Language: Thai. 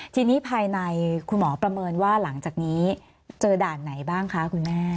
ทีนี้ภายในคุณหมอประเมินว่าหลังจากนี้เจอด่านไหนบ้างคะคุณแม่